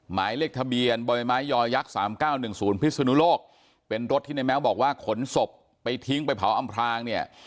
หมายเลขทะเบียนบ่อยไม้ยอยักษ์๓๙๑๐พิศนุโลกเป็นรถที่ในแม้วบอกว่าขนศพไปทิ้งไปเผาอำพลางเนี่ย